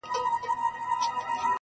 زما له غېږي زما له څنګه پاڅېدلای.!